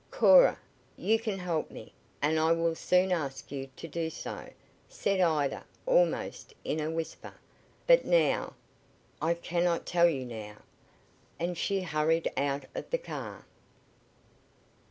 "Coca, you can help me, and I will soon ask you to do so," said Ida almost in a whisper; "but now I cannot tell you now," and she hurried out of the car.